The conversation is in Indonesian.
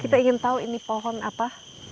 kita ingin tahu ini pohon apa